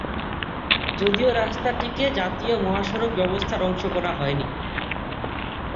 যদিও রাস্তাটিকে জাতীয় মহাসড়ক ব্যবস্থার অংশ করা হয়নি।